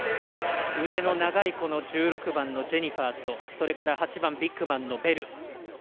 腕の長い１６番のジェニファーとそれから８番ビッグマンのベル。